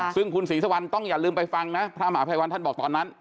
ซึ่งคุณศรีสุวรรณต้องอย่าลืมไปฟังนะพระมหาภัยวันท่านบอกตอนนั้น